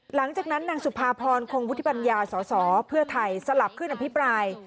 หลังจากนั้นนางสุภาพรคงวุฒิปัญญาสอสอเพื่อไทยสลับขึ้นอภิปราย